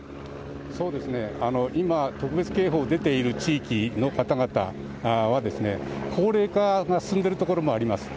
今、特別警報出ている地域の方々は高齢化が進んでいる所もあります。